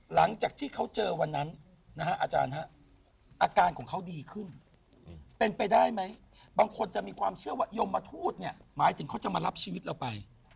หลังจากที่เขาเจอวันนั้นนะฮะอาจารย์ฮะ